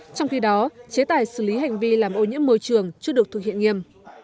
trong khi đó chế tài xử lý hành vi làm ô nhiễm môi trường chưa được thực hiện nghiêm